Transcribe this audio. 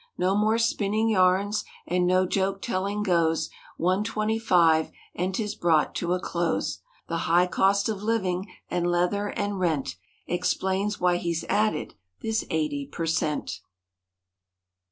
No more spinning yarns—and no joke telling goes "One twenty five"—and 'tis brought to a close. The high cost of living and leather and rent Explains why he's added this eighty per cent.